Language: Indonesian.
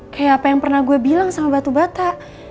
kayak apa yang pernah gue bilang sama batu bata